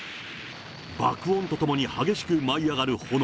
爆音とともに激しく舞い上がる炎。